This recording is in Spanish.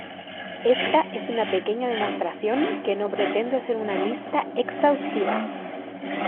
Ésta es una pequeña demostración que no pretende ser una lista exhaustiva.